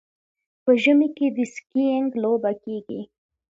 په ژمي کې د سکیینګ لوبه کیږي.